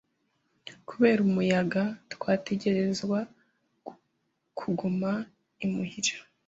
Kubera umuyaga, twategerezwa kuguma i muhira.